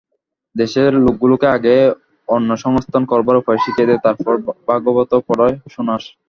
দেশের লোকগুলোকে আগে অন্নসংস্থান করবার উপায় শিখিয়ে দে, তারপর ভাগবত পড়ে শোনাস।